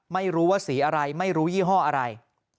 ไม่รู้ว่าสีอะไรไม่รู้ยี่ห้ออะไร